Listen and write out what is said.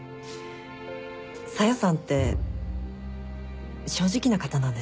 小夜さんって正直な方なんですね。